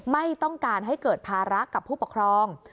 ไม่ต้องการให้เกิดภาระกับผู้ปกครอง